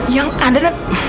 yang ada nak